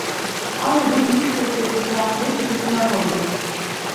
Ayrıca gümüş köstekli saati de çıkısına koydu.